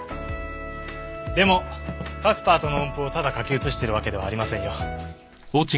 でも各パートの音符をただ書き写してるわけではありませんよ。